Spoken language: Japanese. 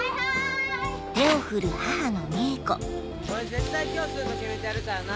絶対今日シュート決めてやるからな。